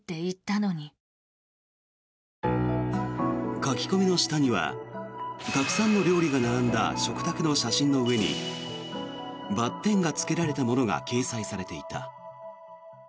書き込みの下にはたくさんの料理が並んだ食卓の写真の上にバッテンがつけられたものが掲載されていた。